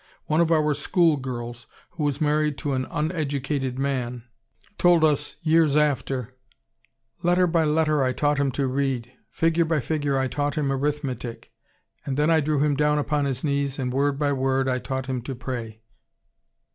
One of our school girls, who was married to an uneducated man, told us years after: 'Letter by letter I taught him to read, figure by figure I taught him arithmetic, and then I drew him down upon his knees and word by word I taught him to pray.